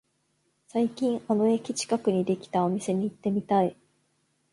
最近あの駅近くにできたお店に行ってみたい